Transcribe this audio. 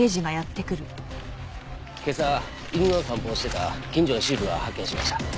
今朝犬の散歩をしてた近所の主婦が発見しました。